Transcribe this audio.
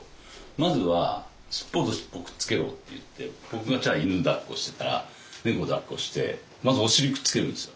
「まずは尻尾と尻尾くっつけろ」って言って僕がじゃあ犬抱っこしてたら猫抱っこしてまずお尻くっつけるんですよ。